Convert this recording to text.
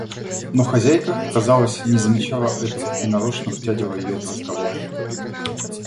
Но хозяйка, казалось, не замечала этого и нарочно втягивала ее в разговор.